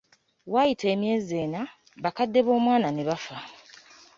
Waayita emyezi ena, bakadde b'omwana ne bafa.